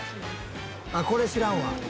「あっこれ知らんわ」